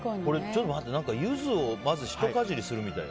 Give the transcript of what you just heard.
ちょっと待ってユズをまずひとかじりするみたい。